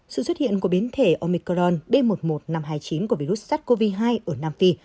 sự xuất hiện của biến thể omicron b một một năm trăm hai mươi chín của virus sars cov hai ở nam phi